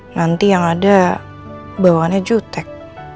nanti yang ada bawaannya jutek